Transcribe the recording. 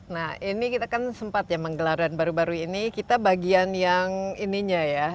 nah ini kita kan sempat ya menggelar dan baru baru ini kita bagian yang ininya ya